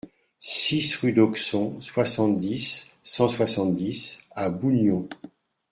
six rue d'Auxon, soixante-dix, cent soixante-dix à Bougnon